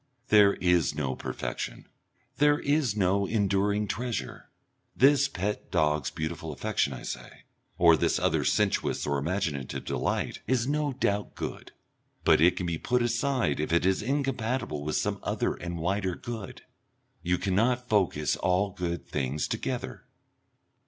There is no perfection, there is no enduring treasure. This pet dog's beautiful affection, I say, or this other sensuous or imaginative delight, is no doubt good, but it can be put aside if it is incompatible with some other and wider good. You cannot focus all good things together.